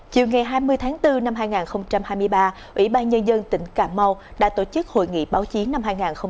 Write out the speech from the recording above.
chiều ngày hai mươi tháng bốn năm hai nghìn hai mươi ba ủy ban nhân dân tỉnh cà mau đã tổ chức hội nghị báo chí năm hai nghìn hai mươi bốn